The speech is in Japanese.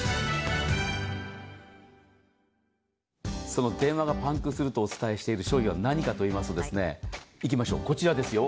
その電話がパンクするとお伝えする商品は何かと言いますといきましょう、こちらですよ。